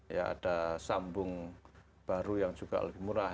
ya ada sambung baru yang juga lebih murah